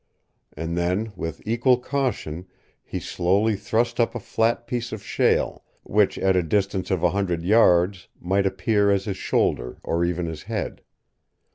And then, with equal caution, he slowly thrust up a flat piece of shale, which at a distance of a hundred yards might appear as his shoulder or even his head.